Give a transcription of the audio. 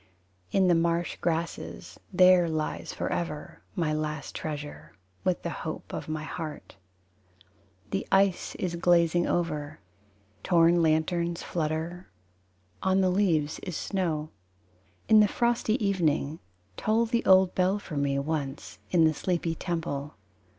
In the marsh grasses There lies forever My last treasure, With the hope of my heart. The ice is glazing over, Torn lanterns flutter, On the leaves is snow. In the frosty evening Toll the old bell for me Once, in the sleepy temple.